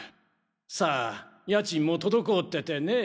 さあ家賃も滞っててね。